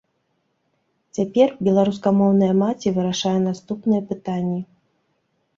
Цяпер беларускамоўная маці вырашае наступныя пытанні.